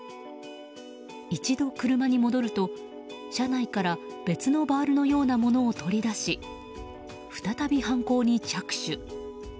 一度車に戻ると車内から、別のバールのようなものを取り出し再び犯行に着手。